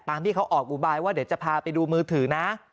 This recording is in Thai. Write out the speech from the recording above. ที่เขาออกอุบายว่าเดี๋ยวจะพาไปดูมือถือนะ